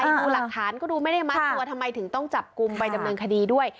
ดูหลักฐานก็ดูไม่ได้มัดตัวทำไมถึงต้องจับกลุ่มไปดำเนินคดีด้วย